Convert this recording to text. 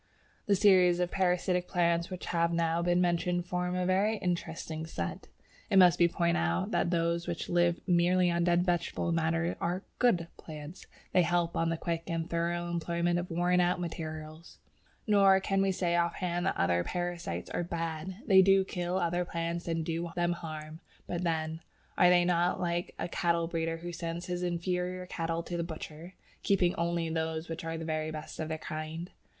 The series of parasitic plants which have now been mentioned form a very interesting set. It must be pointed out that those which live merely on dead vegetable matter are "good" plants. They help on the quick and thorough employment of worn out material. Nor can we say off hand that other parasites are "bad." They do kill other plants and do them harm, but then, are they not like a cattle breeder who sends his inferior cattle to the butcher, keeping only those which are the very best of their kind?